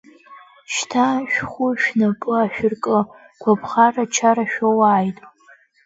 Шьҭа шәхәы шәнапы ашәыркы, гәаԥхара-чара шәоуааит!